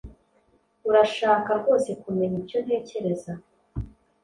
Urashaka rwose kumenya icyo ntekereza?